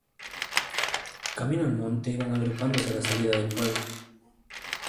Camino del monte iban agrupándose a la salida del pueblo.